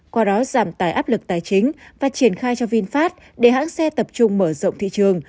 qua đó giảm tài áp lực tài chính và triển khai cho vinfast để hãng xe tập trung mở rộng thị trường